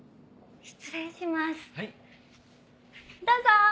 どうぞ。